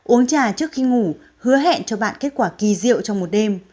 uống trà trước khi ngủ hứa hẹn cho bạn kết quả kỳ diệu trong một đêm